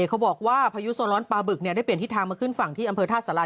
เขาบอกว่าพายุโซร้อนปลาบึกได้เปลี่ยนทิศทางมาขึ้นฝั่งที่อำเภอท่าสารา